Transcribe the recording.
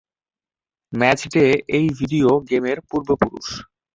ম্যাচডে এই ভিডিও গেমের পূর্বপুরুষ।